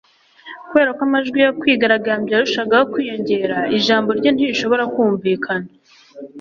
Kubera ko amajwi yo kwigaragambya yarushagaho kwiyongera ijambo rye ntirishobora kumvikana